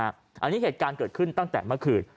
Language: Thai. อันนี้เหตุการณ์เกิดขึ้นตั้งแต่เมื่อคืน